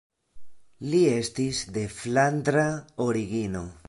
Li estis de flandra origino.